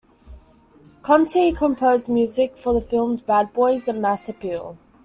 Conti composed music for the films "Bad Boys" and "Mass Appeal".